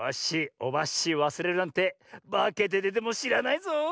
オバッシーをわすれるなんてばけてでてもしらないぞ。